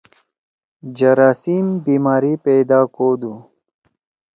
جراثیم بیماری پیدا کودُو۔